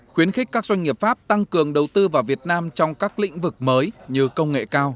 khuyến khích các doanh nghiệp pháp tăng cường đầu tư vào việt nam trong các lĩnh vực mới như công nghệ cao